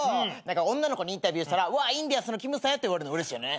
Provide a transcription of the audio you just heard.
女の子にインタビューしたら「わインディアンスのきむさんや」って言われるのうれしいよね。